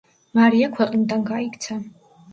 მარია ქვეყნიდან გაიქცა.